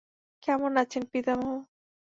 কেমন আছেন পিতামহ?